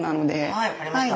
はい分かりました。